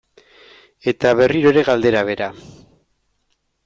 Eta berriro ere galdera bera.